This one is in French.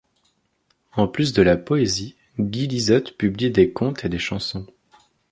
En plus de la poésie, Guy Lizotte publie des contes et des chansons.